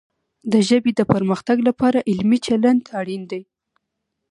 د ژبې د پرمختګ لپاره علمي چلند اړین دی.